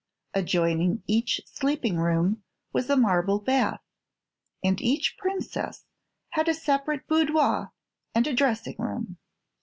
Adjoining each sleeping room was a marble bath, and each Princess had a separate boudoir and a dressing room.